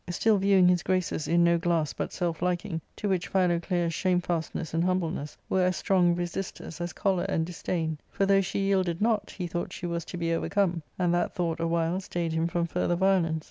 367 still viewing his graces in no glass but self liking, to which Philoclea's shamefastness and humbleness were as strong resisters as choler and disdain ; for, though she yielded not, he thought she was to be overcome, and that thought a while stayed him from further violence.